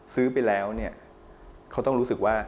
ซื้อไปแล้วเนี่ยเขาต้องรู้สึกว่า